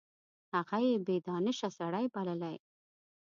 هغه یې بې دانشه سړی بللی.